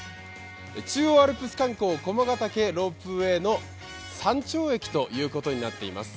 中央アルプス観光・駒ヶ岳ロープウェイの山頂駅ということになっています。